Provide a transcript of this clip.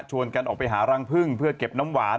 กันออกไปหารังพึ่งเพื่อเก็บน้ำหวาน